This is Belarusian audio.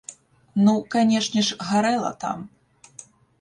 Ну, канешне ж, гарэла там!